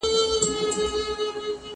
زه به سبا د يادښتونه بشپړوم،